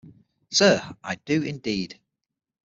Sir, I do indeed.